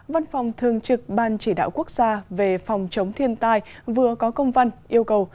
văn phòng thường trực ban chỉ đạo quốc gia về phòng chống thiên tai vừa có công văn yêu cầu